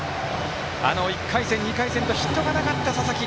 １回戦、２回戦とヒットがなかった佐々木。